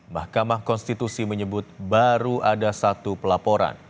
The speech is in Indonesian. mahkamah konstitusi menyebut baru ada satu pelaporan